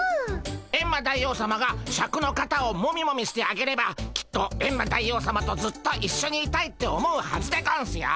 エンマ大王さまがシャクの肩をモミモミしてあげればきっとエンマ大王さまとずっといっしょにいたいって思うはずでゴンスよ。